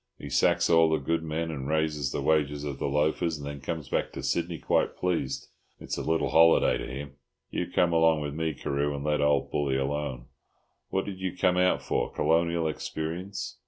He sacks all the good men and raises the wages of the loafers, and then comes back to Sydney quite pleased; it's a little holiday to him. You come along with me, Carew, and let old Bully alone. What did you come out for? Colonial experience?"